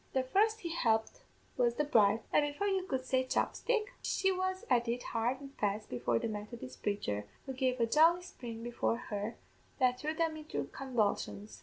The first he helped was the bride, and, before you could say chopstick, she was at it hard an' fast before the Methodist praicher, who gave a jolly spring before her that threw them into convulsions.